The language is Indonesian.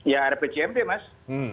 ya rpcmd mas